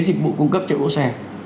dịch vụ cung cấp cho bộ xe